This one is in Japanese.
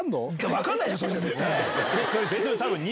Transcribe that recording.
分かんないでしょそれじゃ絶対。